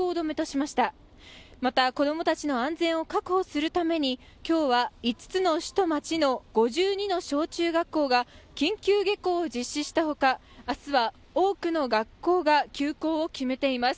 また、子供たちの安全を確保するために今日は５つの市と町の５２の小中学校が緊急下校を実施したほか、明日は多くの学校が休校を決めています。